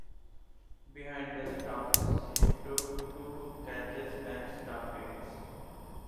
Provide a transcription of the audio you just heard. Behind the stumps he took two catches and stumpings.